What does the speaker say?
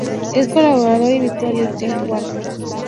Es colaborador habitual de "The Guardian.